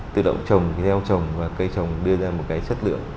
tự động trồng theo trồng và cây trồng đưa ra một cái chất lượng